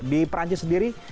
di perancis sendiri